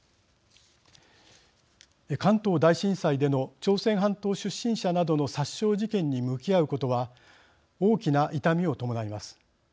関東大震災での朝鮮半島出身者などの殺傷事件に向き合うことは大きな痛みを伴います。